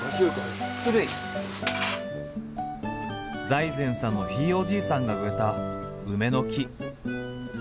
財前さんのひいおじいさんが植えた梅の木。